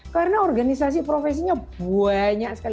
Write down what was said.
karena organisasi profesinya banyak sekali